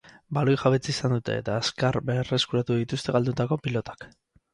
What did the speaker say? Baloi-jabetza izan dute, eta azkar berreskuratu dituzte galdutako pilotak.